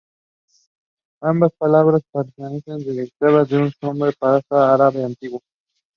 Ambas palabras aparentemente derivan a su vez de un nombre persa o árabe antiguo.